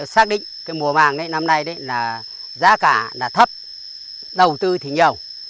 xác định mùa màng năm nay là giá cả thấp đầu tư thì nhiều